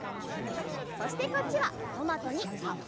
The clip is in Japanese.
そしてこっちは「トマト」に「はっぱっぱのハーッ！」